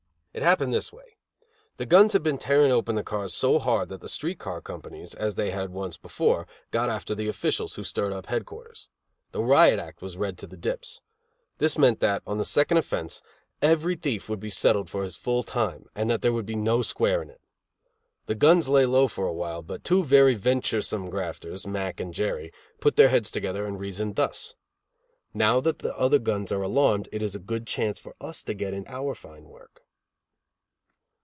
It happened this way. The guns had been tearing open the cars so hard that the street car companies, as they had once before, got after the officials, who stirred up Headquarters. The riot act was read to the dips. This meant that, on the second offense, every thief would be settled for his full time and that there would be no squaring it. The guns lay low for a while, but two very venturesome grafters, Mack and Jerry, put their heads together and reasoned thus: "Now that the other guns are alarmed it is a good chance for us to get in our fine work."